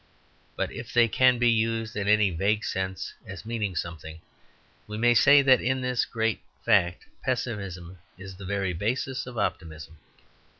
But if they can be used in any vague sense as meaning something, we may say that in this great fact pessimism is the very basis of optimism.